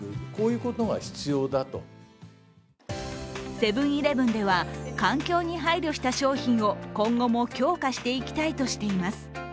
セブン−イレブンでは環境に配慮した商品を今後も強化していきたいとしています。